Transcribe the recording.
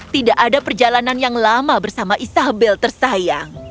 tidak ada perjalanan yang lama bersama isabel tersayang